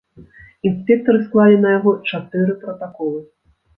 Інспектары склалі на яго чатыры пратаколы.